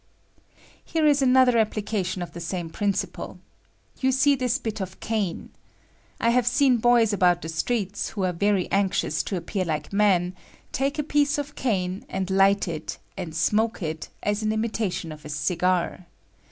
Here is another application of the same prin ciple. You see this hit of cane. I have seen boys about the streets, who are very anxious to appear like men, take a piece of cane, and light it, and smoke it, as an imitation of a cigar.